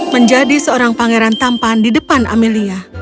menjadi seorang pangeran tampan di depan amelia